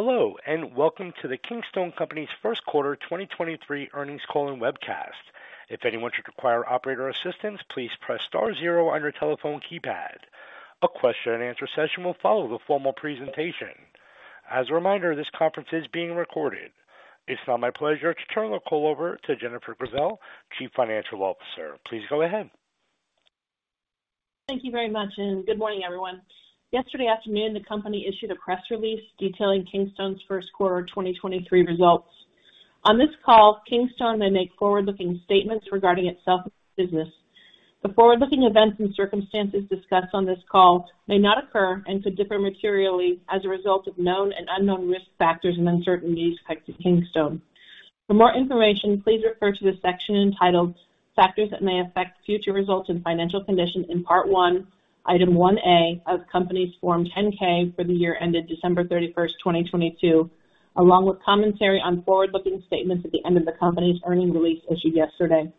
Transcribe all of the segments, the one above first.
Hello, welcome to the Kingstone Company's First Quarter 2023 Earnings Call and Webcast. If anyone should require operator assistance, please press star zero on your telephone keypad. A question-and-answer session will follow the formal presentation. As a reminder, this conference is being recorded. It's now my pleasure to turn the call over to Jennifer Gravelle, Chief Financial Officer. Please go ahead. Thank you very much. Good morning, everyone. Yesterday afternoon, the company issued a press release detailing Kingstone's first quarter 2023 results. On this call, Kingstone may make forward-looking statements regarding itself and its business. The forward-looking events and circumstances discussed on this call may not occur and could differ materially as a result of known and unknown risk factors and uncertainties affecting Kingstone. For more information, please refer to the section entitled Factors That May Affect Future Results and Financial Conditions in Part I, Item One A of the company's Form 10-K for the year ended December 31, 2022, along with commentary on forward-looking statements at the end of the company's earnings release issued yesterday.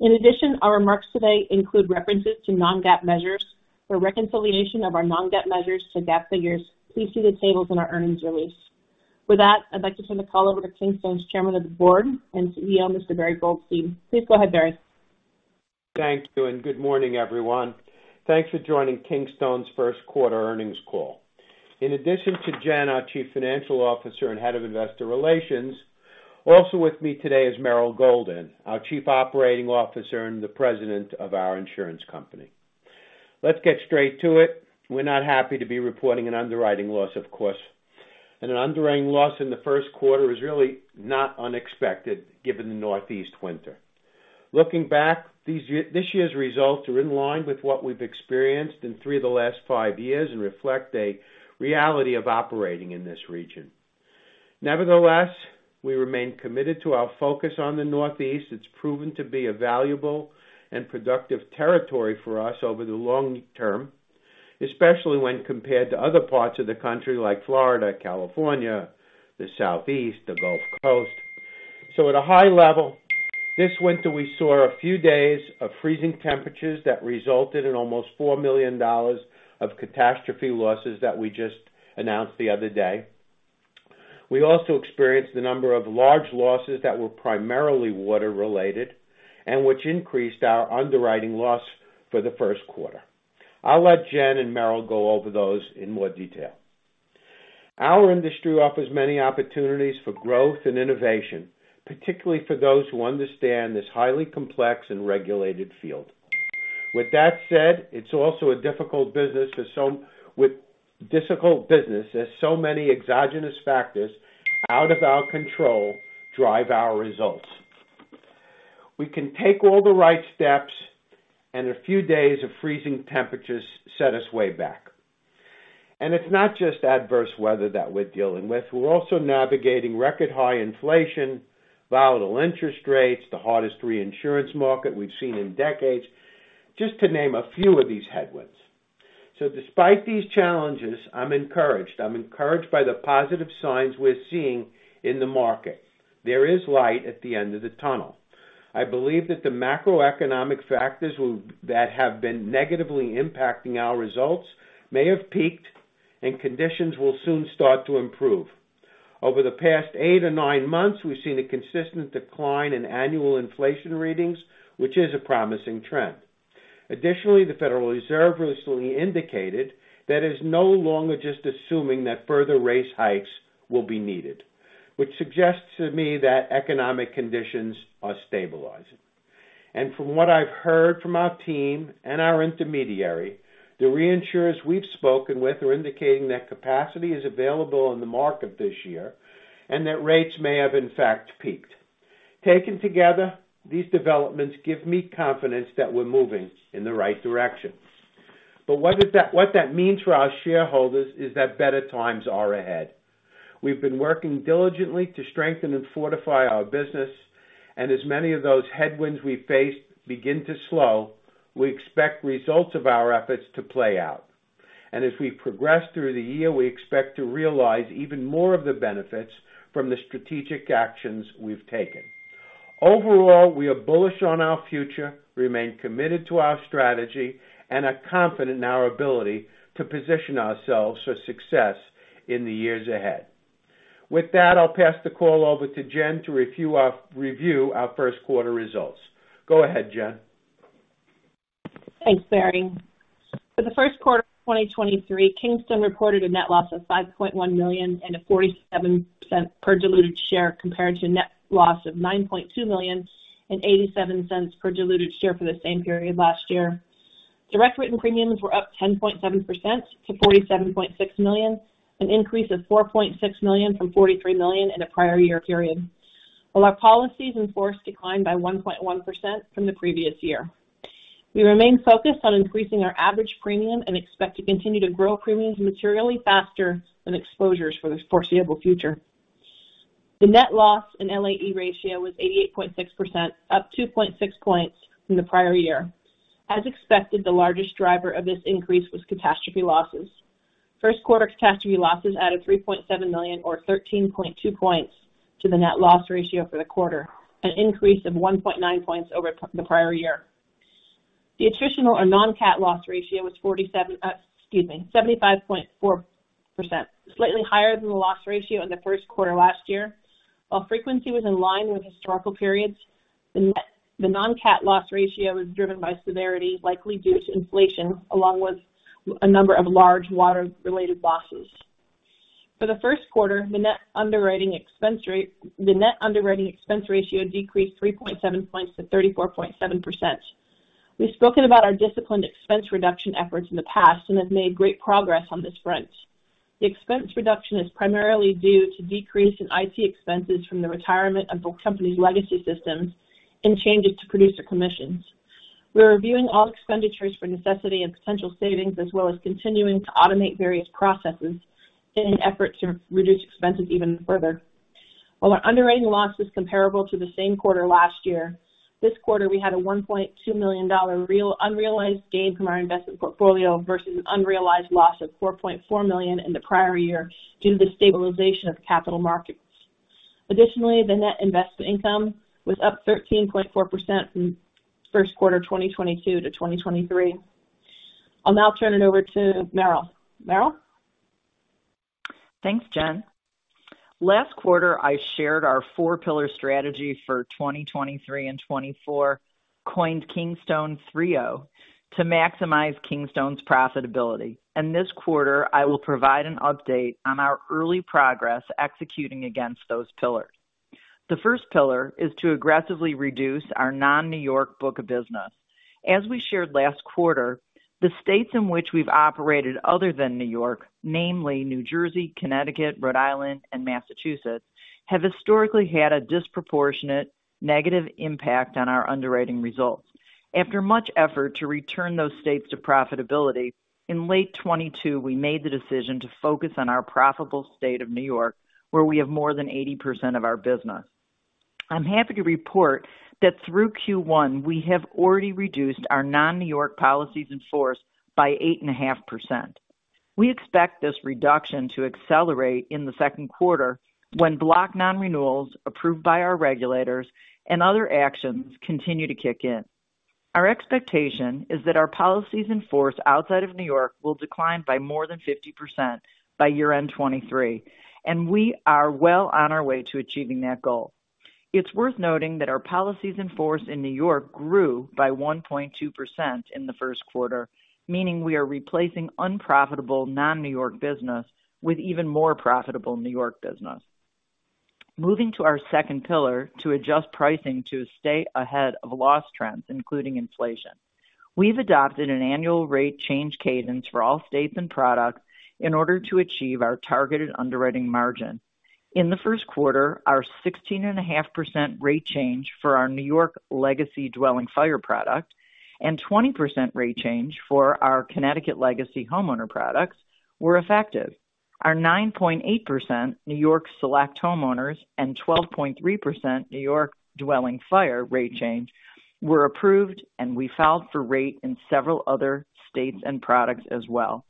In addition, our remarks today include references to non-GAAP measures. For reconciliation of our non-GAAP measures to GAAP figures, please see the tables in our earnings release. With that, I'd like to turn the call over to Kingstone's Chairman of the Board and CEO, Mr. Barry Goldstein. Please go ahead, Barry. Thank you, and good morning, everyone. Thanks for joining Kingstone's first quarter earnings call. In addition to Jen, our Chief Financial Officer and Head of Investor Relations, also with me today is Meryl Golden, our Chief Operating Officer and the President of our insurance company. Let's get straight to it. We're not happy to be reporting an underwriting loss, of course. An underwriting loss in the first quarter is really not unexpected given the Northeast winter. Looking back, this year's results are in line with what we've experienced in 3 of the last 5 years and reflect a reality of operating in this region. Nevertheless, we remain committed to our focus on the Northeast. It's proven to be a valuable and productive territory for us over the long term, especially when compared to other parts of the country like Florida, California, the Southeast, the Gulf Coast. At a high level, this winter, we saw a few days of freezing temperatures that resulted in almost $4 million of catastrophe losses that we just announced the other day. We also experienced a number of large losses that were primarily water-related and which increased our underwriting loss for the first quarter. I'll let Jen and Meryl go over those in more detail. Our industry offers many opportunities for growth and innovation, particularly for those who understand this highly complex and regulated field. With that said, it's also a difficult business, as so many exogenous factors out of our control drive our results. We can take all the right steps, a few days of freezing temperatures set us way back. It's not just adverse weather that we're dealing with. We're also navigating record high inflation, volatile interest rates, the hardest reinsurance market we've seen in decades, just to name a few of these headwinds. Despite these challenges, I'm encouraged. I'm encouraged by the positive signs we're seeing in the market. There is light at the end of the tunnel. I believe that the macroeconomic factors that have been negatively impacting our results may have peaked, and conditions will soon start to improve. Over the past 8 or 9 months, we've seen a consistent decline in annual inflation readings, which is a promising trend. Additionally, the Federal Reserve recently indicated that it's no longer just assuming that further rate hikes will be needed, which suggests to me that economic conditions are stabilizing. From what I've heard from our team and our intermediary, the reinsurers we've spoken with are indicating that capacity is available in the market this year and that rates may have, in fact, peaked. Taken together, these developments give me confidence that we're moving in the right direction. What that means for our shareholders is that better times are ahead. We've been working diligently to strengthen and fortify our business, as many of those headwinds we face begin to slow, we expect results of our efforts to play out. As we progress through the year, we expect to realize even more of the benefits from the strategic actions we've taken. Overall, we are bullish on our future, remain committed to our strategy, and are confident in our ability to position ourselves for success in the years ahead. I'll pass the call over to Jen to review our first quarter results. Go ahead, Jen. Thanks, Barry. For the first quarter of 2023, Kingstone reported a net loss of $5.1 million and a $0.47 per diluted share compared to a net loss of $9.2 million and $0.87 per diluted share for the same period last year. Direct written premiums were up 10.7% to $47.6 million, an increase of $4.6 million from $43 million in the prior year period, while our policies in force declined by 1.1% from the previous year. We remain focused on increasing our average premium and expect to continue to grow premiums materially faster than exposures for the foreseeable future. The net loss in LAE ratio was 88.6%, up 2.6 points from the prior year. As expected, the largest driver of this increase was catastrophe losses. First quarter catastrophe losses added $3.7 million or 13.2 points to the net loss ratio for the quarter, an increase of 1.9 points over the prior year. The attritional or non-CAT loss ratio was 75.4%, slightly higher than the loss ratio in the first quarter last year. While frequency was in line with historical periods, the non-CAT loss ratio was driven by severity likely due to inflation, along with a number of large water related losses. For the first quarter, The net underwriting expense ratio decreased 3.7 points to 34.7%. We've spoken about our disciplined expense reduction efforts in the past and have made great progress on this front. The expense reduction is primarily due to decrease in IT expenses from the retirement of both companies' legacy systems and changes to producer commissions. We're reviewing all expenditures for necessity and potential savings, as well as continuing to automate various processes in an effort to reduce expenses even further. While our underwriting loss is comparable to the same quarter last year, this quarter we had a $1.2 million unrealized gain from our investment portfolio versus an unrealized loss of $4.4 million in the prior year due to the stabilization of capital markets. Additionally, the net investment income was up 13.4% from first quarter 2022 to 2023. I'll now turn it over to Meryl. Meryl? Thanks, Jen. Last quarter, I shared our four pillar strategy for 2023 and 2024, coined Kingstone 3.0, to maximize Kingstone's profitability. This quarter, I will provide an update on our early progress executing against those pillars. The first pillar is to aggressively reduce our non-New York book of business. As we shared last quarter, the states in which we've operated other than New York, namely New Jersey, Connecticut, Rhode Island and Massachusetts, have historically had a disproportionate negative impact on our underwriting results. After much effort to return those states to profitability, in late 2022, we made the decision to focus on our profitable state of New York, where we have more than 80% of our business. I'm happy to report that through Q1 we have already reduced our non-New York policies in force by 8.5%. We expect this reduction to accelerate in the second quarter when block non-renewals approved by our regulators and other actions continue to kick in. Our expectation is that our policies in force outside of New York will decline by more than 50% by year end 2023, and we are well on our way to achieving that goal. It's worth noting that our policies in force in New York grew by 1.2% in the first quarter, meaning we are replacing unprofitable non-New York business with even more profitable New York business. Moving to our second pillar to adjust pricing to stay ahead of loss trends, including inflation. We've adopted an annual rate change cadence for all states and products in order to achieve our targeted underwriting margin. In the first quarter, our 16.5% rate change for our New York legacy dwelling fire product and 20% rate change for our Connecticut legacy homeowner products were effective. Our 9.8% New York Select Homeowners and 12.3% New York Dwelling Fire rate change were approved, and we filed for rate in several other states and products as well.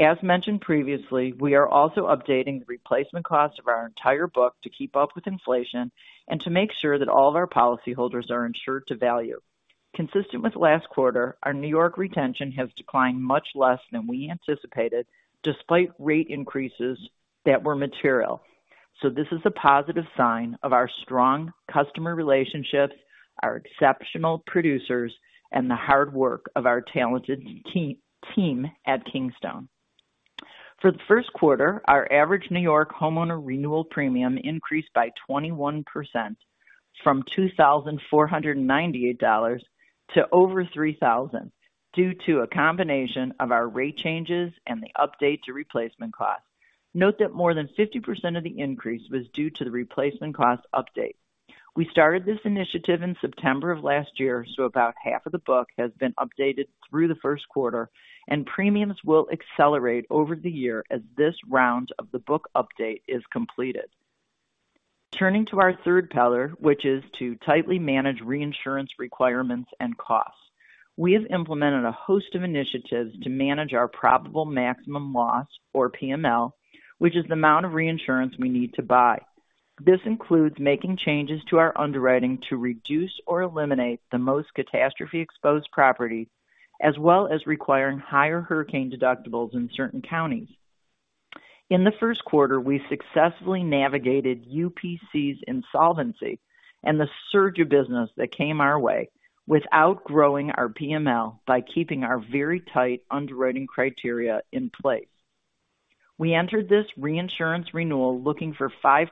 As mentioned previously, we are also updating the replacement cost of our entire book to keep up with inflation and to make sure that all of our policyholders are insured to value. Consistent with last quarter, our New York retention has declined much less than we anticipated, despite rate increases that were material. This is a positive sign of our strong customer relationships, our exceptional producers, and the hard work of our talented team at Kingstone. For the first quarter, our average New York homeowner renewal premium increased by 21% from $2,498 to over $3,000 due to a combination of our rate changes and the update to replacement cost. Note that more than 50% of the increase was due to the replacement cost update. We started this initiative in September of last year, so about half of the book has been updated through the first quarter, and premiums will accelerate over the year as this round of the book update is completed. Turning to our third pillar, which is to tightly manage reinsurance requirements and costs. We have implemented a host of initiatives to manage our probable maximum loss, or PML, which is the amount of reinsurance we need to buy. This includes making changes to our underwriting to reduce or eliminate the most catastrophe exposed property, as well as requiring higher hurricane deductibles in certain counties. In the first quarter, we successfully navigated UPC's insolvency and the surge of business that came our way without growing our PML by keeping our very tight underwriting criteria in place. We entered this reinsurance renewal looking for 5%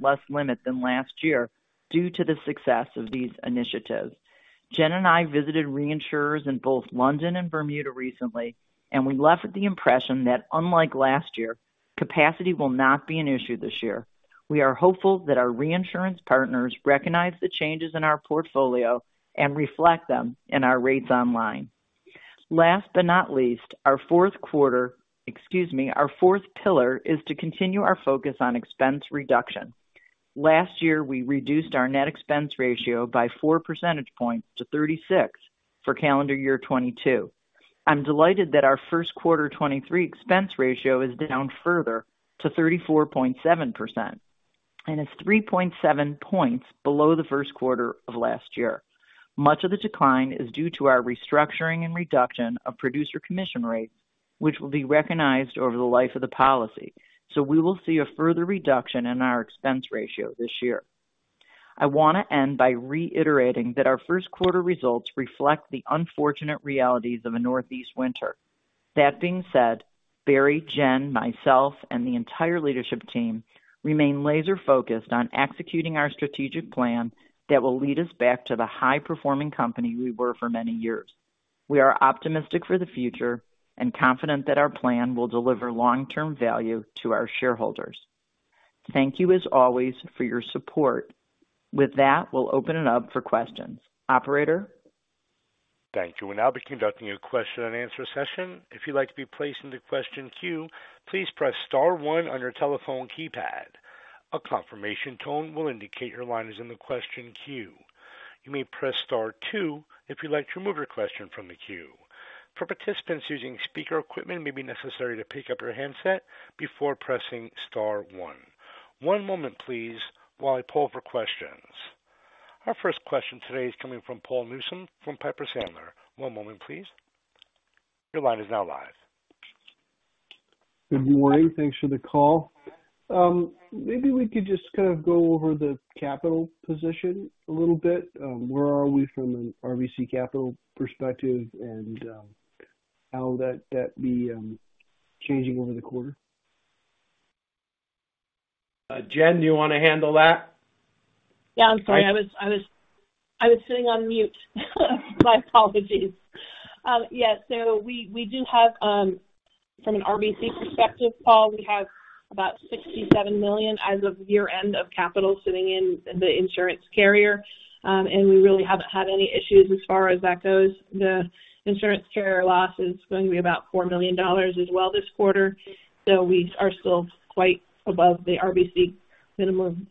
less limit than last year due to the success of these initiatives. Jen and I visited reinsurers in both London and Bermuda recently. We left with the impression that, unlike last year, capacity will not be an issue this year. We are hopeful that our reinsurance partners recognize the changes in our portfolio and reflect them in our rates online. Last but not least, our fourth quarter, excuse me. Our fourth pillar is to continue our focus on expense reduction. Last year, we reduced our net expense ratio by 4 percentage points to 36 for calendar year 2022. I'm delighted that our first quarter 2023 expense ratio is down further to 34.7%. It's 3.7 points below the first quarter of last year. Much of the decline is due to our restructuring and reduction of producer commission rates, which will be recognized over the life of the policy. We will see a further reduction in our expense ratio this year. I want to end by reiterating that our first quarter results reflect the unfortunate realities of a Northeast winter. That being said, Barry, Jen, myself, and the entire leadership team remain laser-focused on executing our strategic plan that will lead us back to the high-performing company we were for many years. We are optimistic for the future and confident that our plan will deliver long-term value to our shareholders. Thank you as always for your support. With that, we'll open it up for questions. Operator? Thank you. We'll now be conducting a question-and-answer session. If you'd like to be placed into question queue, please press star one on your telephone keypad. A confirmation tone will indicate your line is in the question queue. You may press star two if you'd like to remove your question from the queue. For participants using speaker equipment, it may be necessary to pick up your handset before pressing star one. One moment please while I pull for questions. Our first question today is coming from Paul Newsome from Piper Sandler. One moment please. Your line is now live. Good morning. Thanks for the call. Maybe we could just kind of go over the capital position a little bit. Where are we from an RBC capital perspective, and how that be changing over the quarter? Jen, do you wanna handle that? Yeah, I'm sorry. I was sitting on mute. My apologies. Yes. We do have, from an RBC perspective, Paul, we have about $67 million as of year-end of capital sitting in the insurance carrier. We really haven't had any issues as far as that goes. The insurance carrier loss is going to be about $4 million as well this quarter. We are still quite above the RBC minimum,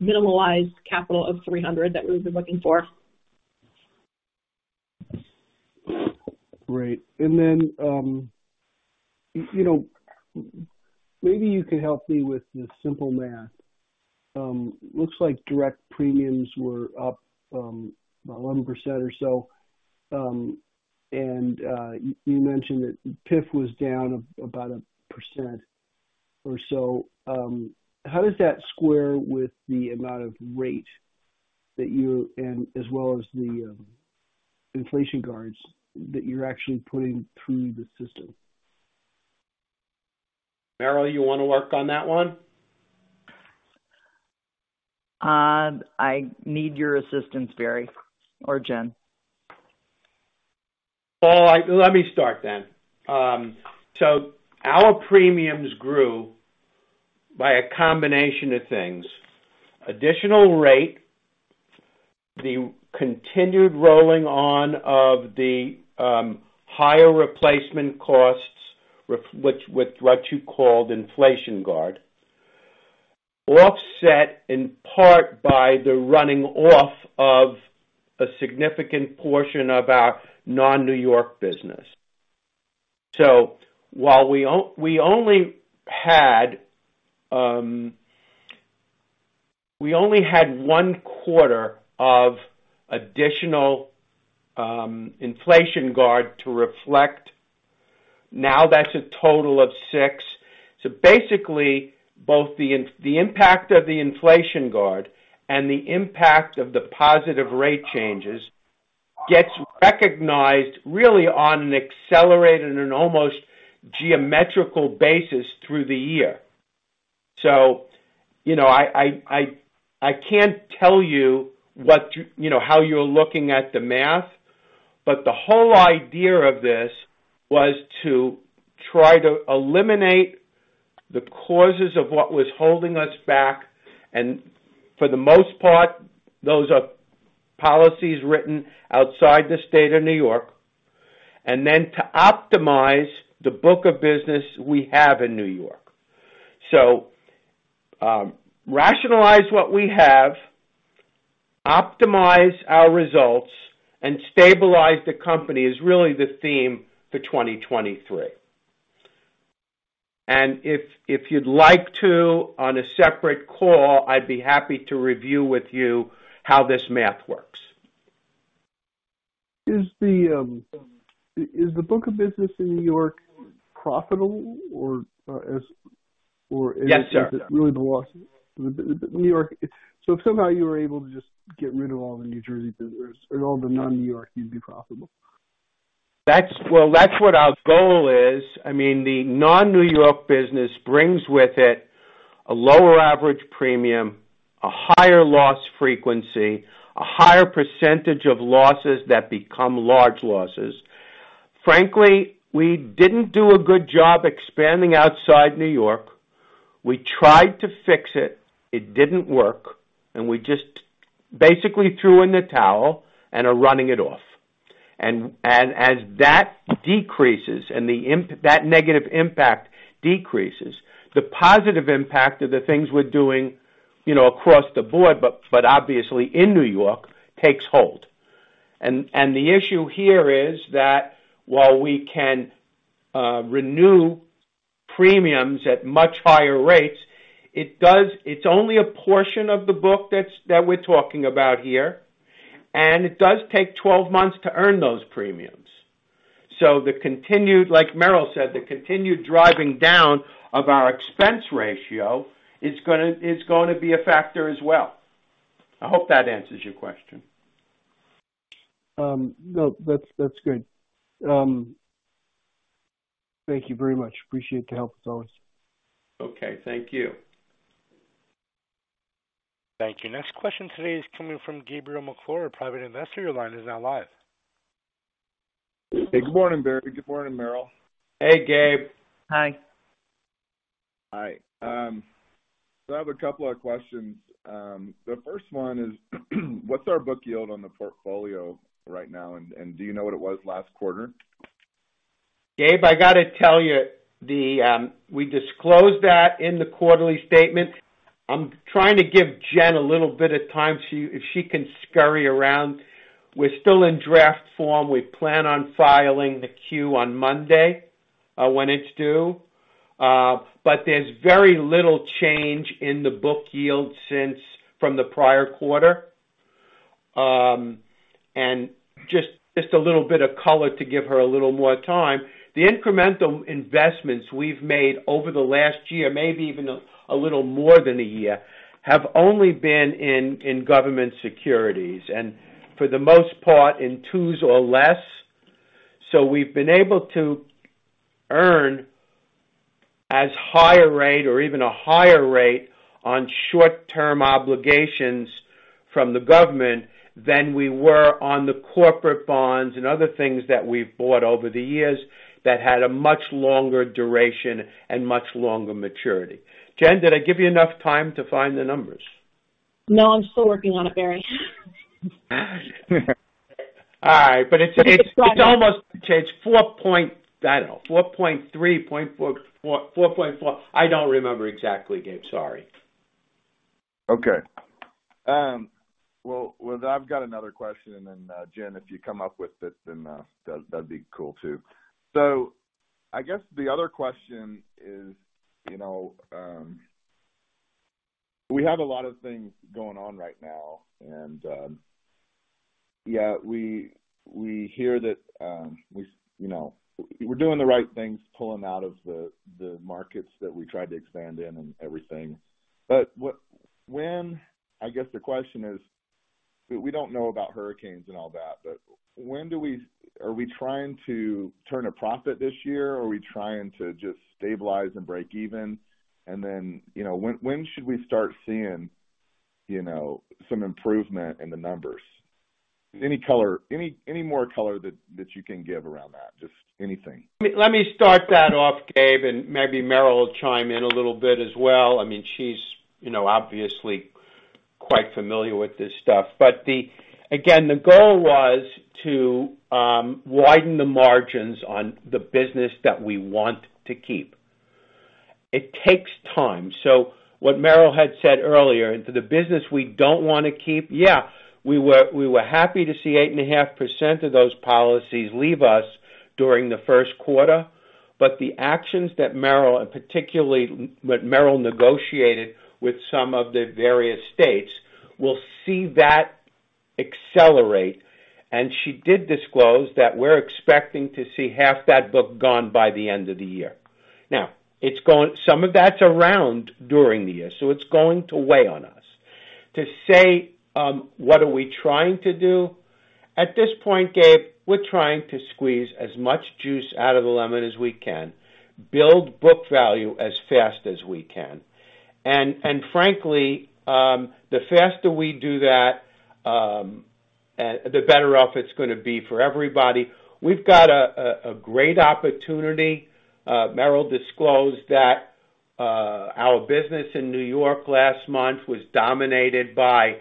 minimalized capital of 300 that we've been looking for. Great. you know, maybe you could help me with the simple math. Looks like direct premiums were up about 1% or so. You mentioned that PIF was down about a percent or so. How does that square with the amount of rate that you and as well as the inflation guards that you're actually putting through the system? Meryl, you wanna work on that one? I need your assistance, Barry or Jen. All right. Let me start then. Our premiums grew by a combination of things, additional rate, the continued rolling on of the higher replacement costs with what you called inflation guard, offset in part by the running off of a significant portion of our non-New York business. So wile we only had, we only had one quarter of additional inflation guard to reflect. Now that's a total of six. Basically, both the impact of the inflation guard and the impact of the positive rate changes gets recognized really on an accelerated and almost geometrical basis through the year. You know, I can't tell you. You know, how you're looking at the math, but the whole idea of this was to try to eliminate the causes of what was holding us back. For the most part, those are policies written outside the state of New York, and then to optimize the book of business we have in New York. Rationalize what we have, optimize our results, and stabilize the company is really the theme for 2023. If you'd like to, on a separate call, I'd be happy to review with you how this math works. Is the book of business in New York profitable or? Yes, sir. Really the loss. The New York... If somehow you were able to just get rid of all the New Jersey business and all the non-New York, you'd be profitable. Well, that's what our goal is. I mean, the non-New York business brings with it a lower average premium, a higher loss frequency, a higher percentage of losses that become large losses. Frankly, we didn't do a good job expanding outside New York. We tried to fix it didn't work, and we just basically threw in the towel and are running it off. As that decreases and that negative impact decreases, the positive impact of the things we're doing, you know, across the board, but obviously in New York takes hold. The issue here is that while we can renew premiums at much higher rates, it's only a portion of the book that we're talking about here, and it does take 12 months to earn those premiums. The continued, like Meryl said, the continued driving down of our expense ratio is gonna be a factor as well. I hope that answers your question. No, that's good. Thank you very much. Appreciate the help as always. Okay, thank you. Thank you. Next question today is coming from Gabriel McClure, a private investor. Your line is now live. Hey, good morning, Barry. Good morning, Meryl. Hey, Gabe. Hi. Hi. I have a couple of questions. The first one is, what's our book yield on the portfolio right now? Do you know what it was last quarter? Gabe, I gotta tell you, we disclosed that in the quarterly statement. I'm trying to give Jen a little bit of time, if she can scurry around. We're still in draft form. We plan on filing the 10-Q on Monday, when it's due. There's very little change in the book yield since from the prior quarter. Just a little bit of color to give her a little more time. The incremental investments we've made over the last year, maybe even a little more than a year, have only been in government securities, and for the most part in twos or less. We've been able to earn as high a rate or even a higher rate on short-term obligations from the government than we were on the corporate bonds and other things that we've bought over the years that had a much longer duration and much longer maturity. Jen, did I give you enough time to find the numbers? No, I'm still working on it, Barry. All right. It's almost I don't know, 4.3, 4.4. I don't remember exactly, Gabe. Sorry. Okay. Well, I've got another question, and then, Jennifer, if you come up with this, then, that'd be cool too. I guess the other question is, you know, we have a lot of things going on right now, and, yeah, we hear that, we, you know, we're doing the right things, pulling out of the markets that we tried to expand in and everything. I guess the question is, we don't know about hurricanes and all that, but are we trying to turn a profit this year, or are we trying to just stabilize and break even? You know, when should we start seeing, you know, some improvement in the numbers? Any color, any more color that you can give around that? Just anything. Let me start that off, Gabe, and maybe Meryl will chime in a little bit as well. I mean, she's, you know, obviously quite familiar with this stuff. Again, the goal was to widen the margins on the business that we want to keep. It takes time. What Meryl had said earlier, and for the business we don't wanna keep, yeah, we were happy to see 8.5% of those policies leave us during the first quarter. The actions that Meryl, and particularly what Meryl negotiated with some of the various states, will see that accelerate. She did disclose that we're expecting to see half that book gone by the end of the year. Some of that's around during the year, so it's going to weigh on us. To say, what are we trying to do? At this point, Gabe, we're trying to squeeze as much juice out of the lemon as we can, build book value as fast as we can. Frankly, the faster we do that, the better off it's gonna be for everybody. We've got a great opportunity. Meryl disclosed that our business in New York last month was dominated by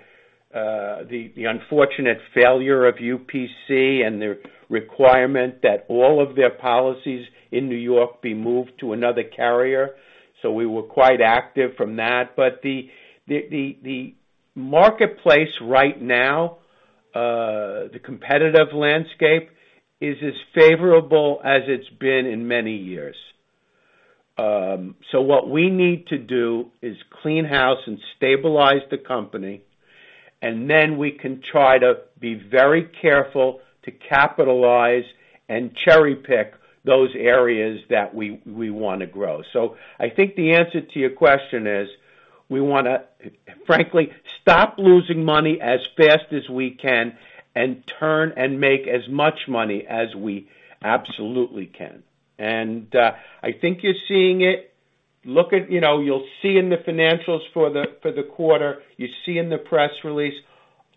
the unfortunate failure of UPC and the requirement that all of their policies in New York be moved to another carrier. We were quite active from that. The marketplace right now, the competitive landscape is as favorable as it's been in many years. What we need to do is clean house and stabilize the company, and then we can try to be very careful to capitalize and cherry-pick those areas that we wanna grow. I think the answer to your question is, we wanna frankly stop losing money as fast as we can and turn and make as much money as we absolutely can. I think you're seeing it. Look at, you know, you'll see in the financials for the, for the quarter, you see in the press release,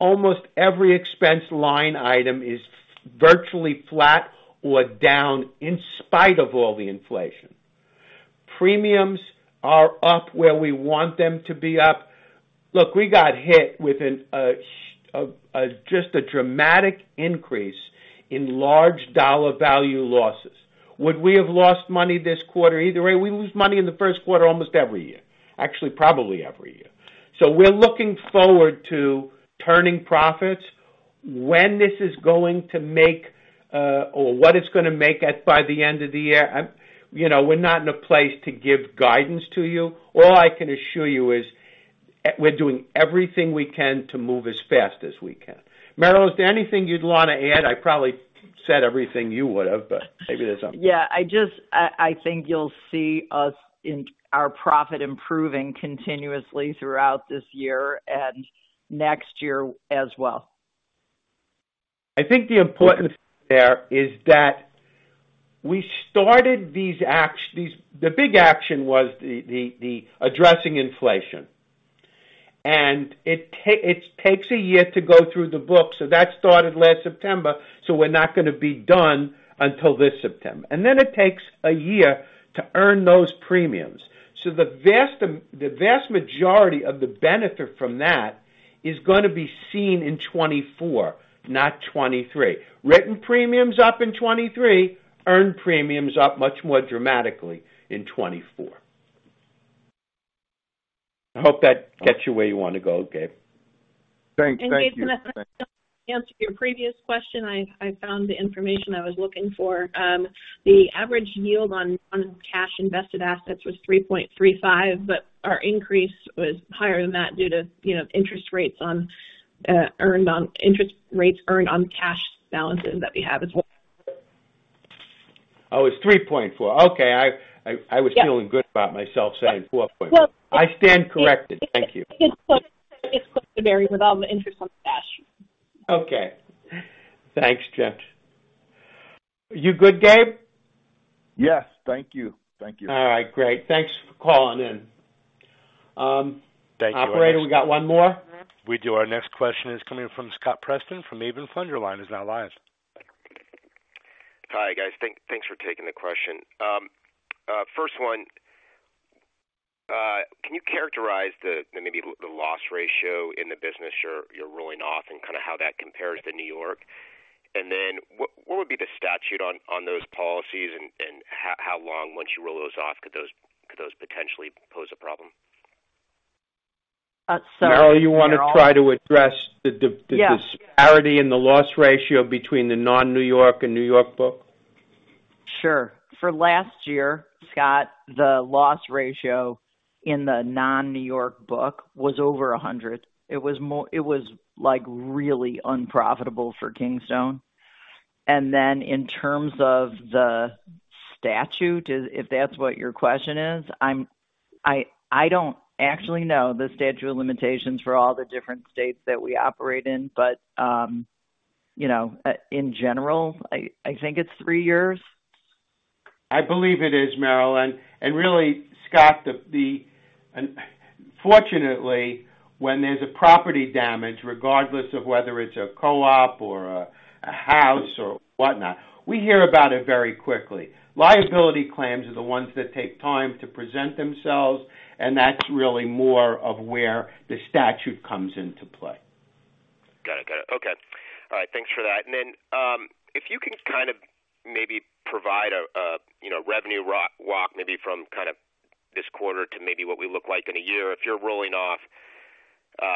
almost every expense line item is virtually flat or down in spite of all the inflation. Premiums are up where we want them to be up. Look, we got hit with an just a dramatic increase in large dollar value losses. Would we have lost money this quarter either way? We lose money in the first quarter almost every year. Actually, probably every year. We're looking forward to turning profits. When this is going to make, or what it's gonna make at by the end of the year, you know, we're not in a place to give guidance to you. All I can assure you is, we're doing everything we can to move as fast as we can. Meryl, is there anything you'd wanna add? I probably said everything you would have, but maybe there's something. Yeah, I just think you'll see us in our profit improving continuously throughout this year and next year as well. I think the important thing there is that we started these. The big action was the addressing inflation. It takes a year to go through the book, so that started last September, so we're not gonna be done until this September. Then it takes a year to earn those premiums. The vast majority of the benefit from that is gonna be seen in 2024, not 2023. Written premiums up in 2023, earned premiums up much more dramatically in 2024. I hope that gets you where you wanna go, Gabe. Thanks. Thanks. Gabe, if I can answer your previous question, I found the information I was looking for. The average yield on cash invested assets was 3.35%, but our increase was higher than that due to, you know, interest rates earned on cash balances that we have as well. Oh, it's 3.4%. Okay. I was feeling good about myself saying 4.5%. I stand corrected. Thank you. It's close. It's close to Barry, with all the interest on cash. Okay. Thanks, Jen. You good, Gabe? Yes. Thank you. Thank you. All right, great. Thanks for calling in. Thanks very much. Operator, we got one more? We do. Our next question is coming from Scott Preston from Maven, your line is now live. Hi, guys. Thanks for taking the question. First one, can you characterize the maybe the loss ratio in the business you're rolling off and kinda how that compares to New York? What would be the statute on those policies and how long once you roll those off could those potentially pose a problem? Uh, so- Meryl, you wanna try to address the d-. Yes... the disparity in the loss ratio between the non-New York and New York book? Sure. For last year, Scott, the loss ratio in the non-New York book was over 100. It was, like, really unprofitable for Kingstone. In terms of the statute, if that's what your question is, I don't actually know the statute of limitations for all the different states that we operate in. you know, in general, I think it's 3 years. I believe it is, Meryl. Really, Scott, fortunately, when there's a property damage, regardless of whether it's a co-op or a house or whatnot, we hear about it very quickly. Liability claims are the ones that take time to present themselves, that's really more of where the statute comes into play. Got it. Got it. Okay. All right, thanks for that. If you can kind of maybe provide a, you know, revenue walk maybe from kind of this quarter to maybe what we look like in a year. If you're rolling off,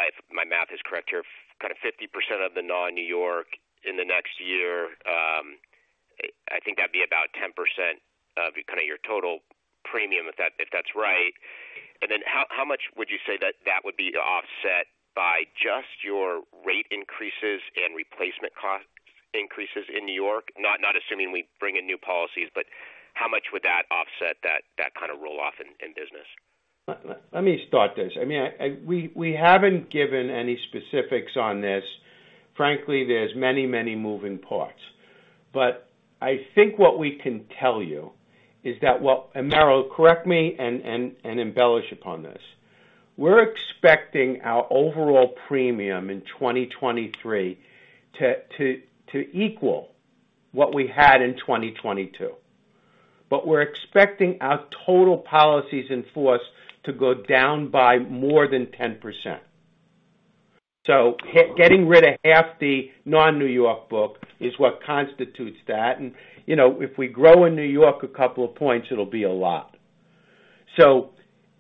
if my math is correct here, kind of 50% of the non-New York in the next year, I think that'd be about 10% of kind of your total premium if that, if that's right. How much would you say that that would be offset by just your rate increases and replacement cost increases in New York? Not assuming we bring in new policies, but how much would that offset that kinda roll-off in business? Let me start this. I mean, I. We haven't given any specifics on this. Frankly, there's many, many moving parts. I think what we can tell you is that what. Meryl, correct me and embellish upon this. We're expecting our overall premium in 2023 to equal what we had in 2022, but we're expecting our total policies in force to go down by more than 10%. Getting rid of half the non-New York book is what constitutes that. You know, if we grow in New York a couple of points, it'll be a lot.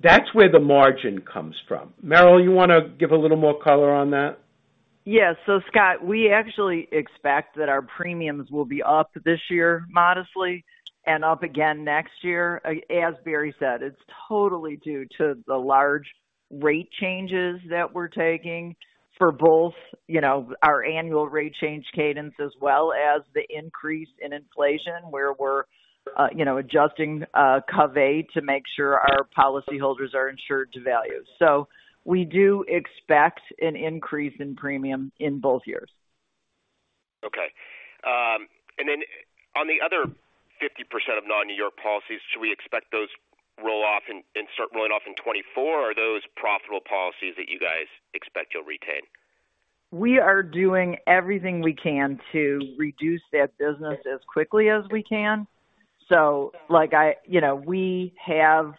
That's where the margin comes from. Meryl, you wanna give a little more color on that? Yes. Scott, we actually expect that our premiums will be up this year modestly and up again next year. As Barry said, it's totally due to the large rate changes that we're taking for both, you know, our annual rate change cadence as well as the increase in inflation, where we're, you know, adjusting Coverage A to make sure our policyholders are insured to value. We do expect an increase in premium in both years. Okay. On the other 50% of non-New York policies, should we expect those start rolling off in 2024, or are those profitable policies that you guys expect you'll retain? We are doing everything we can to reduce that business as quickly as we can. You know, we have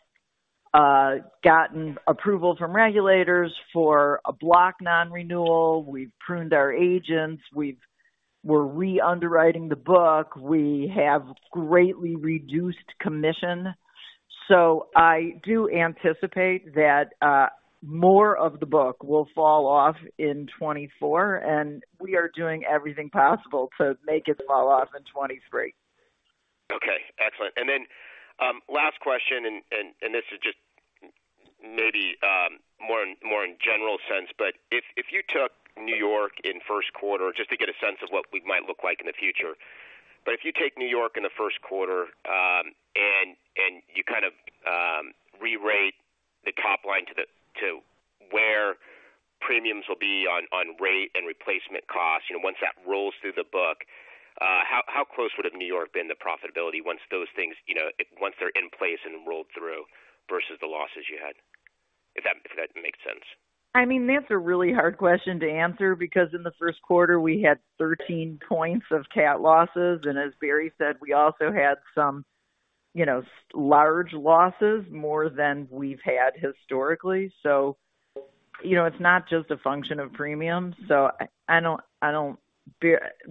gotten approval from regulators for a block non-renewal. We've pruned our agents. We're re-underwriting the book. We have greatly reduced commission. I do anticipate that more of the book will fall off in 2024, and we are doing everything possible to make it fall off in 2023. Okay, excellent. Then last question, and this is just maybe more in general sense, if you took New York in first quarter, just to get a sense of what we might look like in the future. If you take New York in the first quarter, and you kind of rerate the top line to where premiums will be on rate and replacement costs, you know, once that rolls through the book, how close would have New York been to profitability once those things, you know, once they're in place and rolled through versus the losses you had? If that, if that makes sense? I mean, that's a really hard question to answer because in the first quarter we had 13 points of CAT losses, and as Barry said, we also had some, you know, large losses, more than we've had historically. You know, it's not just a function of premium. I don't...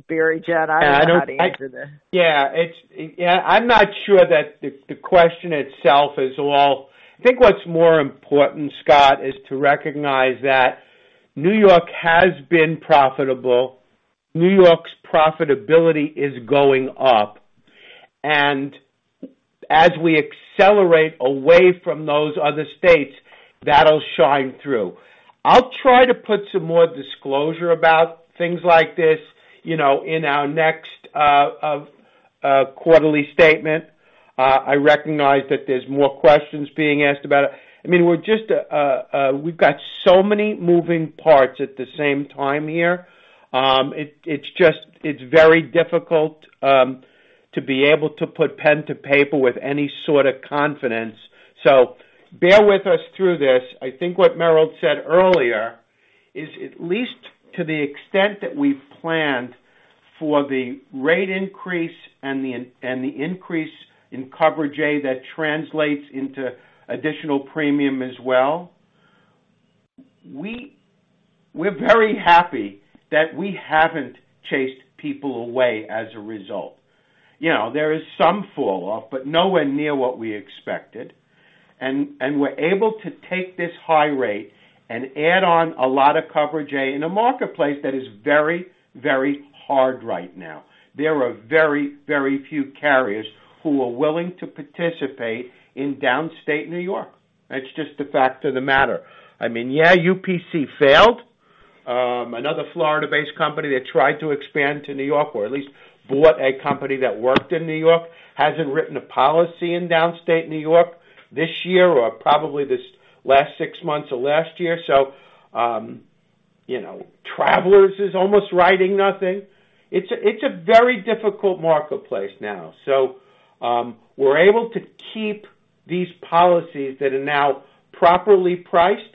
Barry, Jen, I don't know how to answer this. Yeah, it's, I'm not sure that the question itself is all... I think what's more important, Scott, is to recognize that New York has been profitable. New York's profitability is going up. As we accelerate away from those other states, that'll shine through. I'll try to put some more disclosure about things like this, you know, in our next quarterly statement. I recognize that there's more questions being asked about it. I mean, we're just, we've got so many moving parts at the same time here. It's just, it's very difficult to be able to put pen to paper with any sort of confidence. Bear with us through this. I think what Meryl said earlier is, at least to the extent that we planned for the rate increase and the increase in Coverage A that translates into additional premium as well, we're very happy that we haven't chased people away as a result. You know, there is some fall off, but nowhere near what we expected. We're able to take this high rate and add on a lot of Coverage A in a marketplace that is very, very hard right now. There are very, very few carriers who are willing to participate in downstate New York. That's just the fact of the matter. I mean, yeah, UPC failed. Another Florida-based company that tried to expand to New York, or at least bought a company that worked in New York, hasn't written a policy in downstate New York this year or probably this last 6 months of last year. You know, Travelers is almost writing nothing. It's a, it's a very difficult marketplace now. We're able to keep these policies that are now properly priced,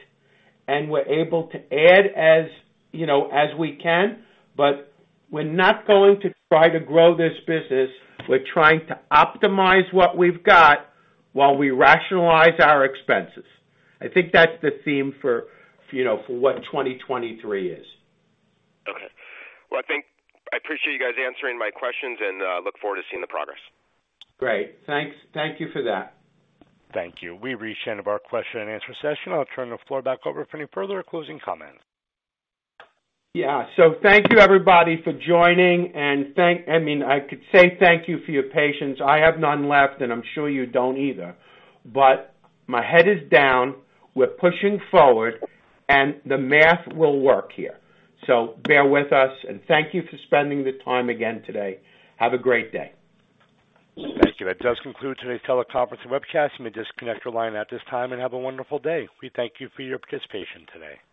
and we're able to add as, you know, as we can. We're not going to try to grow this business. We're trying to optimize what we've got while we rationalize our expenses. I think that's the theme for, you know, for what 2023 is. Okay. Well, I think I appreciate you guys answering my questions, and look forward to seeing the progress. Great. Thanks. Thank you for that. Thank you. We've reached the end of our question and answer session. I'll turn the floor back over for any further closing comments. Yeah. Thank you everybody for joining. I mean, I could say thank you for your patience. I have none left, and I'm sure you don't either. My head is down. We're pushing forward, and the math will work here. Bear with us, and thank you for spending the time again today. Have a great day. Thank you. That does conclude today's teleconference and webcast. You may disconnect your line at this time and have a wonderful day. We thank you for your participation today.